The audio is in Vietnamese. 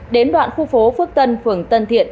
đến đoạn khu phố phước tân phường tân thiện